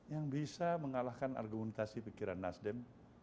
yang bisa mengalahkan argumentasi pikiran nasdem